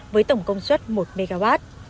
với tổng công suất một mw